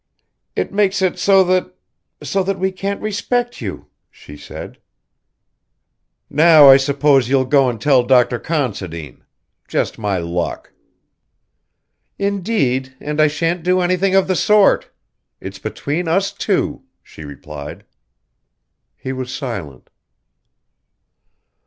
"It makes it so that so that we can't respect you," she said. "Now I suppose you'll go and tell Dr. Considine. Just my luck." "Indeed, and I shan't do anything of the sort. It's between us two," she replied. He was silent.